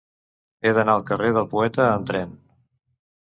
He d'anar al carrer del Poeta amb tren.